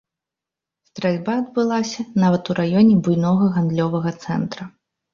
Стральба адбылася нават у раёне буйнога гандлёвага цэнтра.